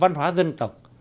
văn hóa dân tộc